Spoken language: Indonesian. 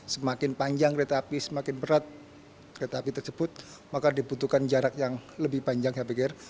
semakin panjang kereta api semakin berat kereta api tersebut maka dibutuhkan jarak yang lebih panjang saya pikir